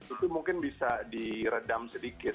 itu mungkin bisa diredam sedikit